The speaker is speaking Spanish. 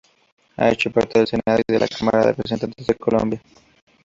Ha hecho parte del Senado y de la Cámara de Representantes de Colombia.